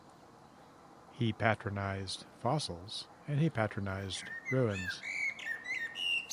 He patronized fossils, and he patronized ruins.